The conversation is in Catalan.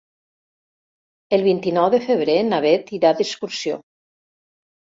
El vint-i-nou de febrer na Beth irà d'excursió.